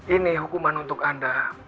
ini hukuman untuk anda